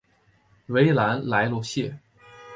维兰莱罗谢。